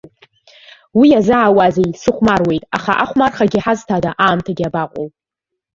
Уи иазаауазеи, сыхәмаруеит, аха ахәмархагьы ҳазҭада, аамҭагьы абаҟоу?